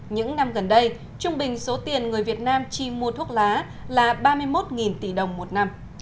những năm gần đây trung bình số tiền người việt nam chi mua thuốc lá là ba mươi một tỷ đồng một năm